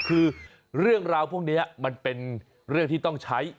คือเรื่องราวพวกนี้มันเป็นเรื่องที่ต้องใช้